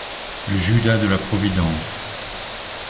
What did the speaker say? Le judas de la providence